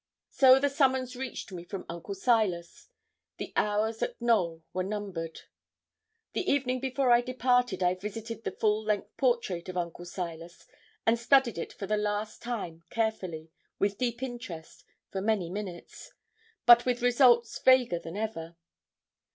So the summons reached me from Uncle Silas. The hours at Knowl were numbered. The evening before I departed I visited the full length portrait of Uncle Silas, and studied it for the last time carefully, with deep interest, for many minutes; but with results vaguer than ever.